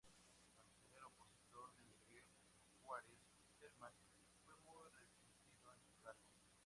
Al ser opositor de Miguel Juárez Celman, fue muy resistido en su cargo.